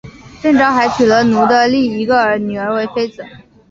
郑昭还娶了努的一个女儿为妃子。